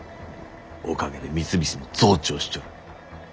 おかげで三菱も増長しちょる。